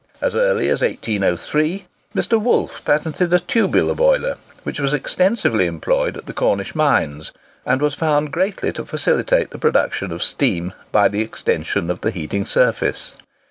As early as 1803, Mr. Woolf patented a tubular boiler, which was extensively employed at the Cornish mines, and was found greatly to facilitate the production of steam, by the extension of the heating surface.